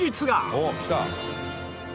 おっきた！